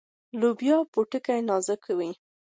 د لوبیا پوټکی نازک وي.